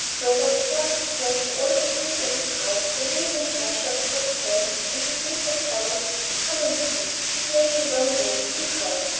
Clover carried with her through all the three days' ride the lingering pressure of Geoff's hand, and his whispered promise to "come on soon." It made the long way seem short.